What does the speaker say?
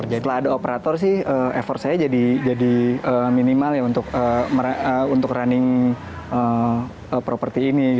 setelah ada operator sih effort saya jadi minimal ya untuk running properti ini